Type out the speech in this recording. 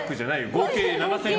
合計７０００円。